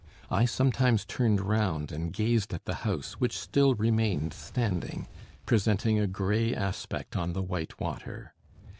I sometimes turned round and gazed at the house, which still remained standing, presenting a grey aspect on the white water.